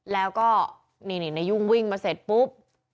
แล้วก็นี่นายุ่งวิ่งมาเสร็จปุ๊บ